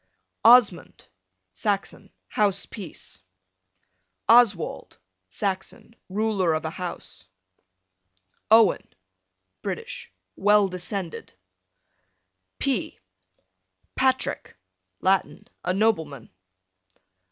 Osmund, Saxon, house peace. Oswald, Saxon, ruler of a house. Owen, British, well descended. P Patrick, Latin, a nobleman.